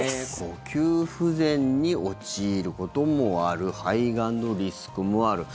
呼吸不全に陥ることもある肺がんのリスクもある。